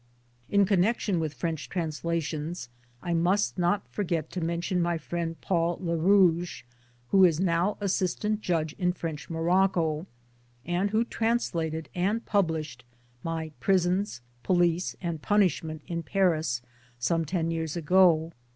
In connection with French translations I must not forget to mention my friend Paul Le Rouge who is now assistant judge in French Morocco, and who translated and published my Prisons, Police and Punishment in Paris some ten years ago.